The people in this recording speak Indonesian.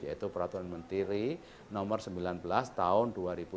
yaitu peraturan mentiri nomor sembilan belas tahun dua ribu empat belas